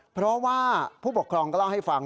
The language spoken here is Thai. เพราะว่าผู้ปกครองก็เล่าให้ฟัง